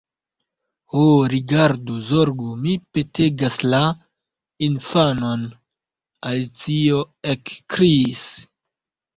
"Ho, rigardu, zorgu, mi petegasla infanon!" Alicio ekkriis.